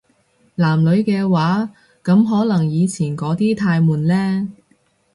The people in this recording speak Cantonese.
男女嘅話，噉可能以前嗰啲太悶呢